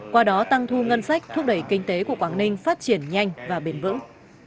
qua đó tăng thu ngân sách thúc đẩy kinh tế của quảng ninh phát triển nhanh và bền vững